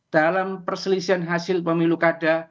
dalam perselisihan hasil pemilu kada